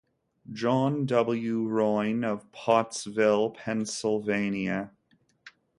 John W. Ryon, of Pottsville, Pennsylvania.